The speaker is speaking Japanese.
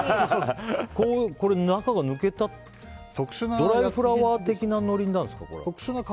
中が抜けたドライフラワー的なノリになるんですか？